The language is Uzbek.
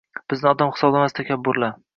Bizni odam hisoblamas takabburlar.